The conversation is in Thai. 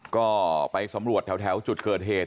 ก็ไปสำรวจแถวจุดเกิดเหตุ